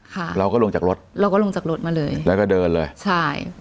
ค่ะเราก็ลงจากรถเราก็ลงจากรถมาเลยแล้วก็เดินเลยใช่